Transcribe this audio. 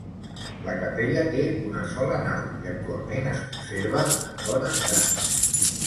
La capella té una sola nau i actualment es conserva en bon estat.